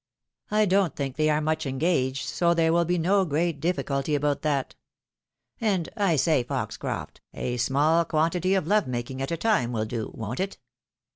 I don't think they are much engaged, so there will be no great difficulty about that. And — I say, Foxcroft, a small quantity of love making at a time will do, won't it?